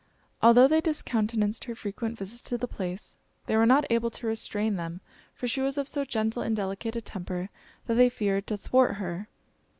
Although they discountenanced her frequent visits to the place, they were not able to restrain them, for she was of so gentle and delicate a temper that they feared to thwart her.